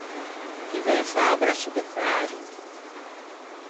Ti veu fâ à brasso de færo?